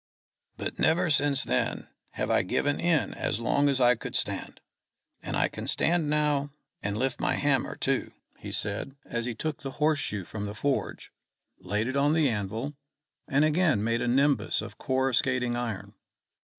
But never since then have I given in as long as I could stand. And I can stand now, and lift my hammer, too," he said, as he took the horse shoe from the forge, laid it on the anvil, and again made a nimbus of coruscating iron.